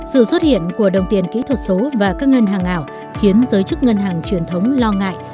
sự xuất hiện của đồng tiền kỹ thuật số và các ngân hàng ảo khiến giới chức ngân hàng truyền thống lo ngại